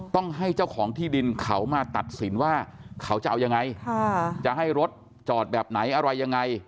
ต้องให้เจ้าของที่ดินเขามาตัดสินว่าเขาจะเอายังไงจะให้รถจอดแบบไหนอะไรยังไง